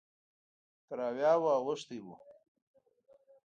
تر اویاوو اوښتی و.